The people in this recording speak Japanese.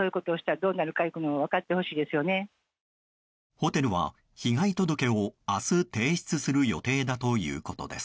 ホテルは被害届を明日提出する予定だということです。